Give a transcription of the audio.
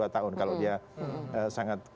tiga puluh dua tahun kalau dia sangat